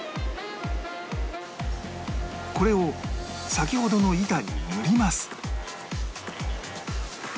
これを先ほどの板に塗ります